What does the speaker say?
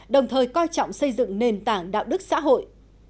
đồng thời coi trọng xây dựng nền tảng đạo đức xã hội